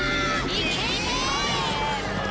いけいけ！